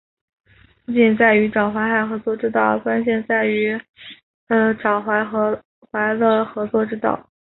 不仅在于找准合作之道，关键在于找准了合作之道